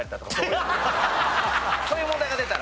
そういう問題が出たら。